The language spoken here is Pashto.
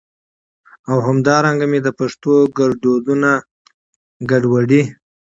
او همدا رنګه مي د پښتو ګړدودونه ګډوډي